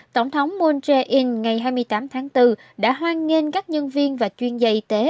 tổng thống moon jae in ngày hai mươi tám tháng bốn đã hoan nghênh các nhân viên và chuyên gia y tế